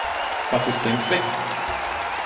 Was ist sein Zweck?